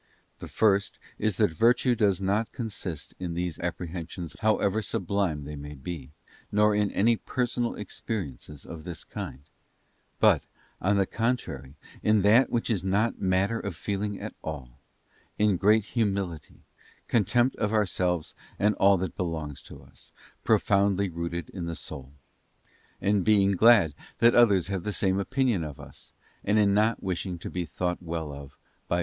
The first is that virtue does not consist in these apprehensions and feelings about God, however sublime they may be, nor in any per sonal experiences of this kind, but, on the contrary, in that which is not matter of feeling at all,—in great humility, contempt of ourselves and of all that belongs to us, pro foundly rooted in the soul; and in being glad that others * 9, Luke xviii, 11, 12, VOL. I. ) Q Two reme dies. 1.